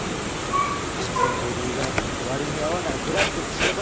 しょせんボディーガードなんて割に合わないブラックな仕事なわけよ！